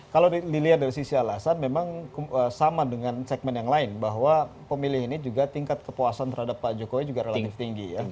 kalau dilihat dari sisi alasan memang sama dengan segmen yang lain bahwa pemilih ini juga tingkat kepuasan terhadap pak jokowi juga relatif tinggi ya